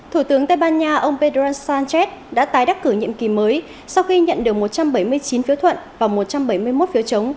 thủ tướng tây ban nha ông pedro sánchez đã tái đắc cử nhiệm kỳ mới sau khi nhận được một trăm bảy mươi chín phiếu thuận và một trăm bảy mươi một phiếu chống